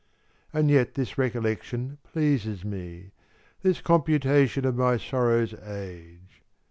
And yet this recollection pleases me, This computation of my sorrow's age.